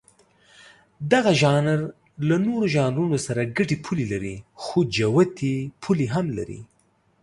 دغه ژانر له نورو ژانرونو سره ګډې پولې لري، خو جوتې پولې هم لري.